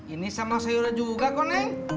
ini sama sayuran juga kok neng